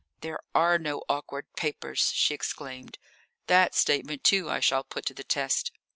"There are no awkward papers!" she exclaimed. "That statement, too, I shall put to the test."